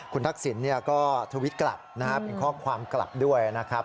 คุณทักษิณก็ทวิตกลับนะครับเป็นข้อความกลับด้วยนะครับ